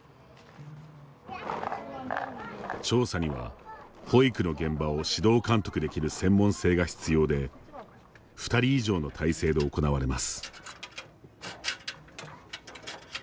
調査には、保育の現場を指導監督できる専門性が必要で２人以上の体制で行われます。